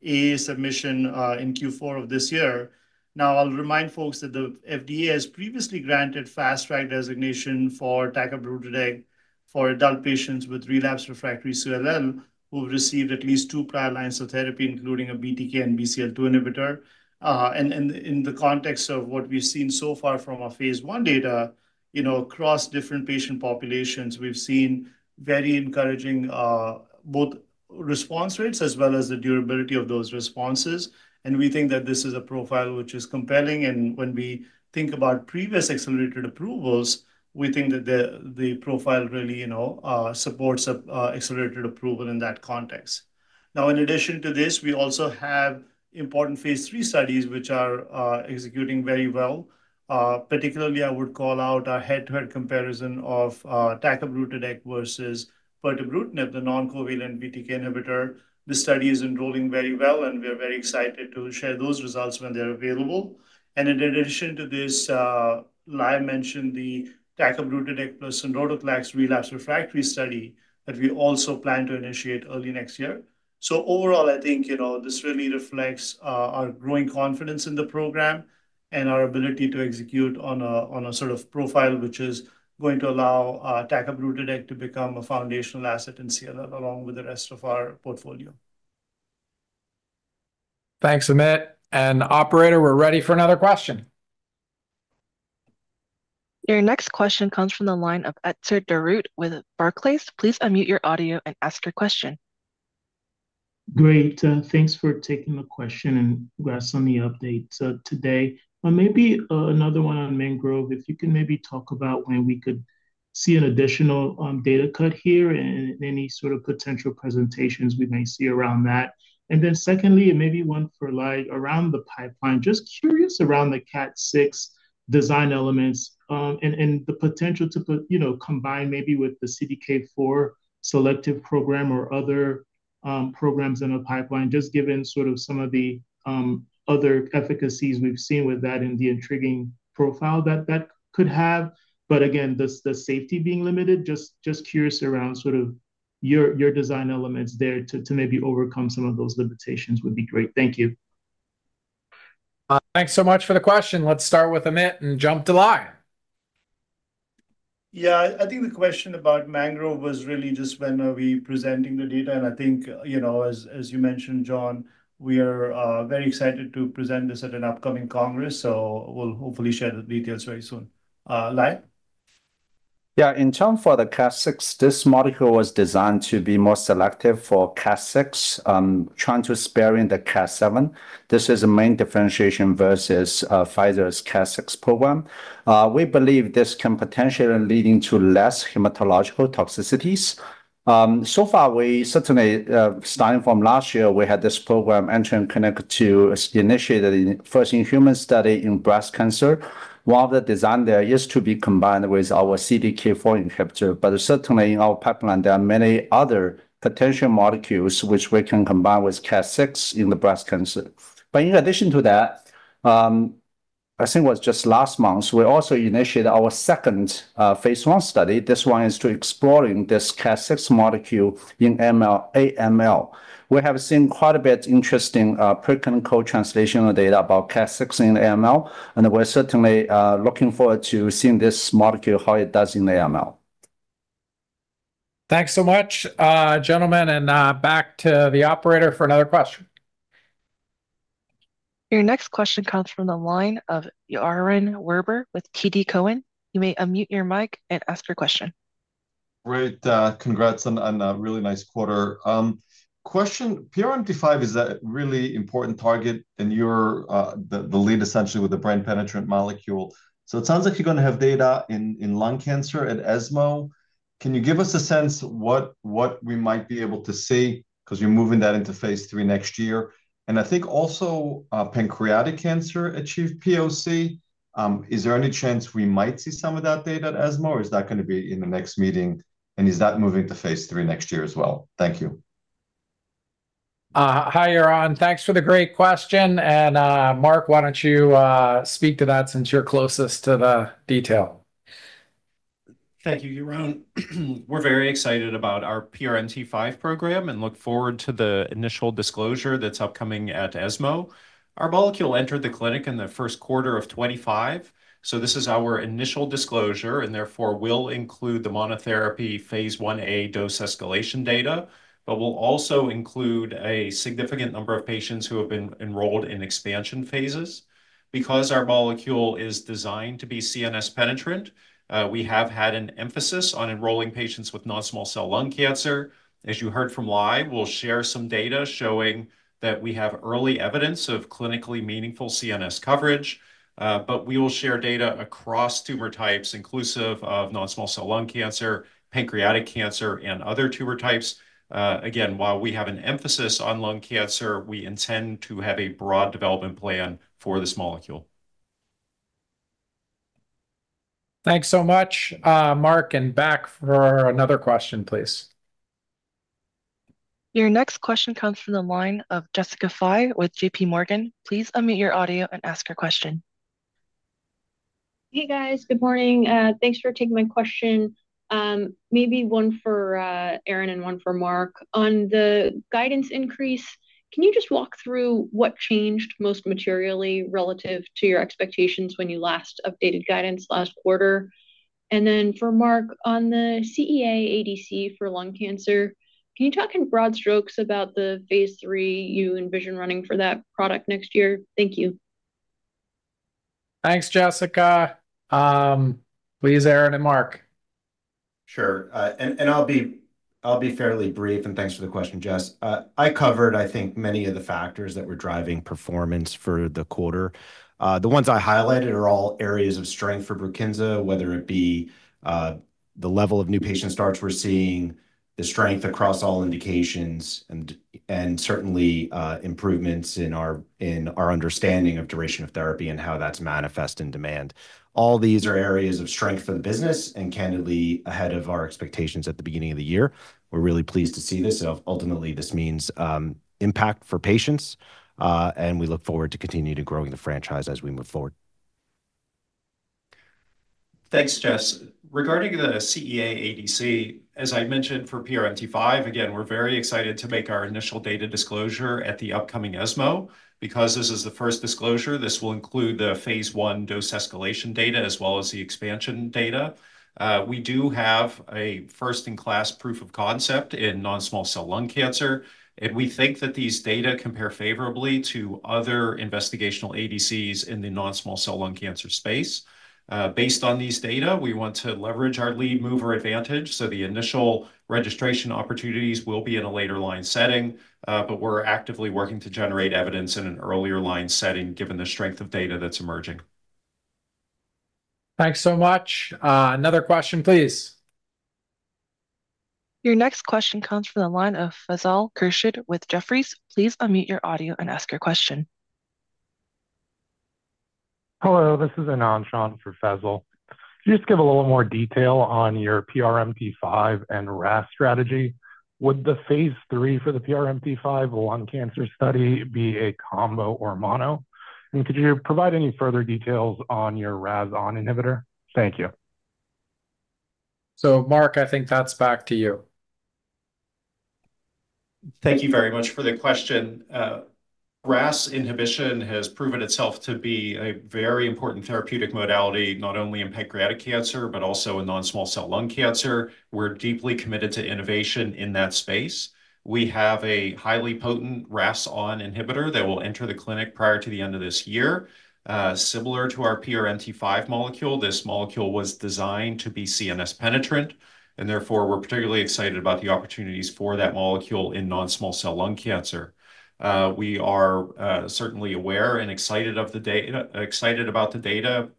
G: EA submission in Q4 of this year. Now I'll remind folks that the FDA has previously granted Fast Track designation for tacabrutideg for adult patients with relapsed/refractory CLL who have received at least two prior lines of therapy, including a BTK and BCL-2 inhibitor. In the context of what we've seen so far from our phase I data, across different patient populations, we've seen very encouraging both response rates as well as the durability of those responses. We think that this is a profile which is compelling, and when we think about previous accelerated approvals, we think that the profile really supports accelerated approval in that context. In addition to this, we also have important phase III studies which are executing very well. Particularly, I would call out our head-to-head comparison of tacabrutideg versus pirtobrutinib, the non-covalent BTK inhibitor. This study is enrolling very well, and we are very excited to share those results when they're available. In addition to this, Lai mentioned the tacabrutideg plus sonrotoclax relapsed/refractory study that we also plan to initiate early next year. Overall, I think this really reflects our growing confidence in the program and our ability to execute on a sort of profile which is going to allow tacabrutideg to become a foundational asset in CLL, along with the rest of our portfolio.
C: Thanks, Amit. Operator, we're ready for another question.
A: Your next question comes from the line of Etzer Darout with Barclays. Please unmute your audio and ask your question.
J: Great. Thanks for taking the question and congrats on the update today. Maybe another one on MANGROVE, if you can maybe talk about when we could see an additional data cut here and any sort of potential presentations we may see around that. Secondly, maybe one for Lai around the pipeline, just curious around the Cas6 design elements, and the potential to combine maybe with the CDK4 selective program or other programs in the pipeline, just given sort of some of the other efficacies we've seen with that and the intriguing profile that that could have. Again, the safety being limited, just curious around sort of your design elements there to maybe overcome some of those limitations would be great. Thank you.
C: Thanks so much for the question. Let's start with Amit and jump to Lai.
G: Yeah, I think the question about MANGROVE was really just when are we presenting the data, and I think, as you mentioned, John, we are very excited to present this at an upcoming congress. We'll hopefully share the details very soon. Lai?
E: Yeah. In term for the Cas6, this molecule was designed to be more selective for Cas6, trying to spare in the Cas7. This is the main differentiation versus Pfizer's Cas6 program. We belive this can potentially leading to less hematological toxicities. So far, we certainly, starting from last year, we had this program entering CONNECT to initiated first in human study in breast cancer. While the design there used to be combined with our CDK4 inhibitor, but certainly in our pipeline, there are many other potential molecules which we can combine with Cas6 in the breast cancer. In addition to that, I think it was just last month, we also initiated our second phase I study. This one is to exploring this Cas6 molecule in AML. We have seen quite a bit interesting preclinical translational data about Cas6 in AML, and we're certainly looking forward to seeing this molecule, how it does in AML.
C: Thanks so much, gentlemen. Back to the operator for another question.
A: Your next question comes from the line of Yaron Werber with TD Cowen. You may unmute your mic and ask your question.
K: Great. Congrats on a really nice quarter. Question, PRMT5 is a really important target and you're the lead essentially with the brain penetrant molecule. It sounds like you're going to have data in lung cancer at ESMO. Can you give us a sense what we might be able to see, because you're moving that into phase III next year? I think also pancreatic cancer achieved POC. Is there any chance we might see some of that data at ESMO, or is that going to be in the next meeting, and is that moving to phase III next year as well? Thank you.
C: Hi, Yaron. Thanks for the great question. Mark, why don't you speak to that since you're closest to the detail?
L: Thank you, Yaron. We are very excited about our PRMT5 program and look forward to the initial disclosure that is upcoming at ESMO. Our molecule entered the clinic in the first quarter of 2025. This is our initial disclosure and therefore will include the monotherapy phase I-A dose escalation data, but will also include a significant number of patients who have been enrolled in expansion phases. Because our molecule is designed to be CNS penetrant, we have had an emphasis on enrolling patients with non-small cell lung cancer. As you heard from Lai, we will share some data showing that we have early evidence of clinically meaningful CNS coverage, but we will share data across tumor types inclusive of non-small cell lung cancer, pancreatic cancer, and other tumor types. Again, while we have an emphasis on lung cancer, we intend to have a broad development plan for this molecule.
C: Thanks so much, Mark. Back for another question, please.
A: Your next question comes from the line of Jessica Fye with JPMorgan. Please unmute your audio and ask your question.
M: Hey, guys. Good morning. Thanks for taking my question. Maybe one for Aaron and one for Mark. On the guidance increase, can you just walk through what changed most materially relative to your expectations when you last updated guidance last quarter? For Mark, on the CEA-ADC for lung cancer, can you talk in broad strokes about the phase III you envision running for that product next year? Thank you.
C: Thanks, Jessica. Please, Aaron and Mark.
D: Sure, I'll be fairly brief, thanks for the question, Jess. I covered, I think, many of the factors that were driving performance for the quarter. The ones I highlighted are all areas of strength for BRUKINSA, whether it be the level of new patient starts we're seeing, the strength across all indications, and certainly improvements in our understanding of duration of therapy and how that's manifest in demand. All these are areas of strength for the business candidly ahead of our expectations at the beginning of the year. We're really pleased to see this. Ultimately, this means impact for patients, we look forward to continuing to growing the franchise as we move forward.
L: Thanks, Jess. Regarding the CEA ADC, as I mentioned for PRMT5, again, we're very excited to make our initial data disclosure at the upcoming ESMO. Because this is the first disclosure, this will include the phase I dose escalation data as well as the expansion data. We do have a first-in-class proof of concept in non-small cell lung cancer, and we think that these data compare favorably to other investigational ADCs in the non-small cell lung cancer space. Based on these data, we want to leverage our lead mover advantage, the initial registration opportunities will be in a later line setting. We're actively working to generate evidence in an earlier-line setting given the strength of data that's emerging.
C: Thanks so much. Another question, please.
A: Your next question comes from the line of Faisal Khurshid with Jefferies. Please unmute your audio and ask your question.
N: Hello, this is Anand Shah for Faisal. Could you just give a little more detail on your PRMT5 and RAS strategy? Would the phase III for the PRMT5 lung cancer study be a combo or mono? Could you provide any further details on your RAS(ON) inhibitor? Thank you.
C: Mark, I think that's back to you.
L: Thank you very much for the question. RAS inhibition has proven itself to be a very important therapeutic modality, not only in pancreatic cancer, but also in non-small cell lung cancer. We're deeply committed to innovation in that space. We have a highly potent RAS(ON) inhibitor that will enter the clinic prior to the end of this year. Similar to our PRMT5 molecule, this molecule was designed to be CNS penetrant, and therefore we're particularly excited about the opportunities for that molecule in non-small cell lung cancer. We are certainly aware and excited about the data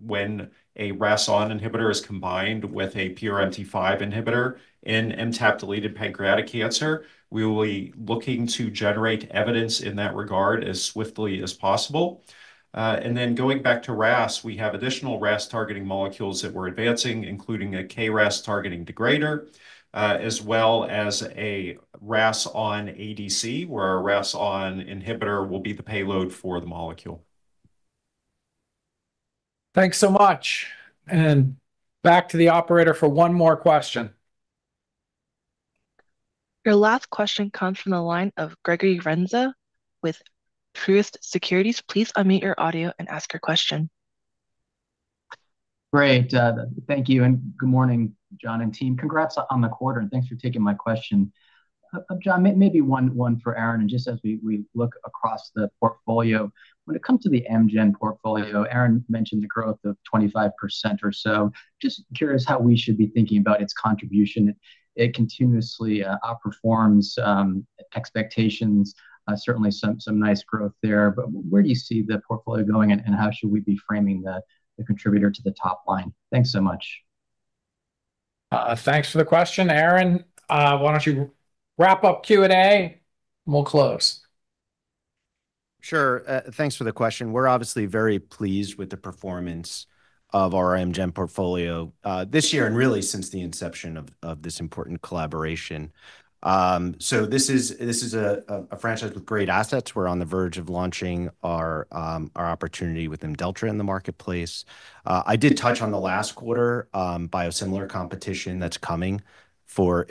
L: when a RAS(ON) inhibitor is combined with a PRMT5 inhibitor in MTAP-deleted pancreatic cancer. We will be looking to generate evidence in that regard as swiftly as possible. Going back to RAS, we have additional RAS-targeting molecules that we're advancing, including a KRAS targeting degrader, as well as a RAS(ON) ADC, where our RAS(ON) inhibitor will be the payload for the molecule.
C: Thanks so much. Back to the operator for one more question.
A: Your last question comes from the line of Gregory Renza with Truist Securities. Please unmute your audio and ask your question.
O: Great. Thank you. Good morning, John and team. Congrats on the quarter. Thanks for taking my question. John, maybe one for Aaron. Just as we look across the portfolio, when it comes to the Amgen portfolio, Aaron mentioned the growth of 25% or so. Just curious how we should be thinking about its contribution. It continuously outperforms expectations. Certainly some nice growth there. Where do you see the portfolio going, and how should we be framing the contributor to the top line? Thanks so much.
C: Thanks for the question. Aaron, why don't you wrap up Q&A, we'll close.
D: Sure. Thanks for the question. We're obviously very pleased with the performance of our Amgen portfolio this year and really since the inception of this important collaboration. This is a franchise with great assets. We're on the verge of launching our opportunity with IMDELLTRA in the marketplace. I did touch on the last quarter biosimilar competition that's coming for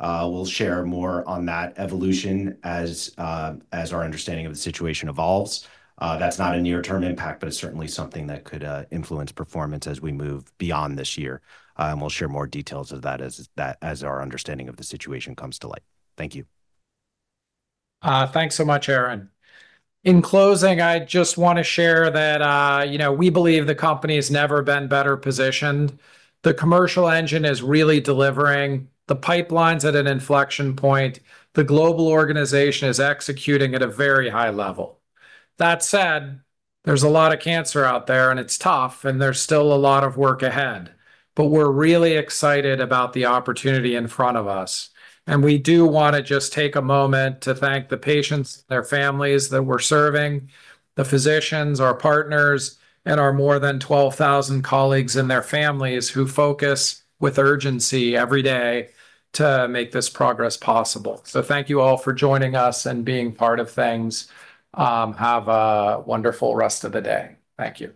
D: XGEVA. We'll share more on that evolution as our understanding of the situation evolves. That's not a near-term impact, it's certainly something that could influence performance as we move beyond this year, we'll share more details of that as our understanding of the situation comes to light. Thank you.
C: Thanks so much, Aaron. In closing, I just want to share that we belive the company has never been better positioned. The commercial engine is really delivering. The pipeline's at an inflection point. The global organization is executing at a very high level. That said, there's a lot of cancer out there, and it's tough, there's still a lot of work ahead. We're really excited about the opportunity in front of us, we do want to just take a moment to thank the patients, their families that we're serving, the physicians, our partners, and our more than 12,000 colleagues and their families who focus with urgency every day to make this progress possible. Thank you all for joining us and being part of things. Have a wonderful rest of the day. Thank you